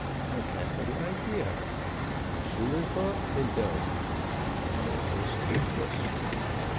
A capital idea! No sooner thought than done. The man was speechless.